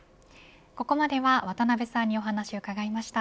ここまでは渡辺さんにお話を伺いました。